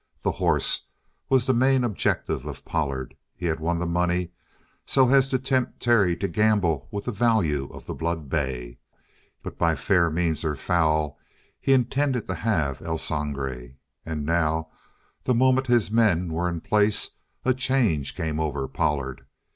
The horse was the main objective of Pollard. He had won the money so as to tempt Terry to gamble with the value of the blood bay. But by fair means or foul he intended to have El Sangre. And now, the moment his men were in place, a change came over Pollard.